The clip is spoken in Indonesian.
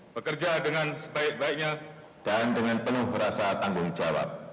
bekerja dengan sebaik baiknya